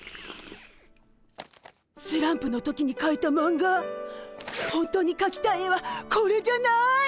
スランプの時にかいたマンガほんとにかきたい絵はこれじゃない！